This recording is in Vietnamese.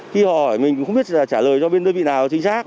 khi hỏi mình cũng không biết trả lời cho bên đơn vị nào chính xác